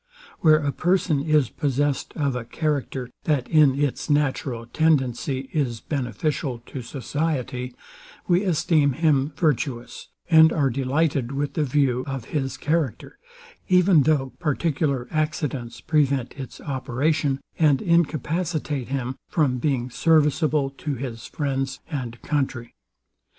Where a person is possessed of a character, that in its natural tendency is beneficial to society, we esteem him virtuous, and are delighted with the view of his character, even though particular accidents prevent its operation, and incapacitate him from being serviceable to his friends and country.